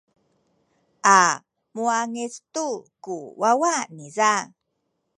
a muwangic tu ku wawa niza.